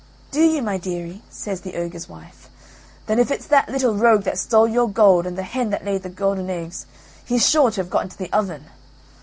"Do you, my dearie?" says the ogre's wife. "Then if it's that little rogue that stole your gold and the hen that laid the golden eggs he's sure to have got into the oven."